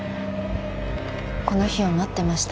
この日を待ってました